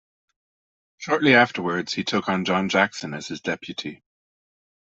Shortly afterwards he took on John Jackson as his deputy.